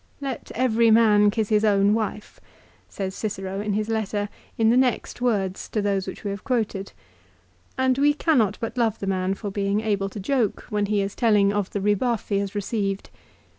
3 " Let every man kiss his own wife," says Cicero in his letter in the next words to those we have quoted; and we cannot but love the man for being able to joke when he is telling of the rebuff he has received.